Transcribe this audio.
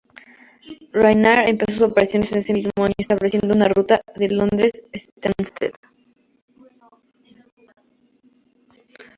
Ryanair empezó sus operaciones ese mismo año, estableciendo una ruta con Londres-Stansted.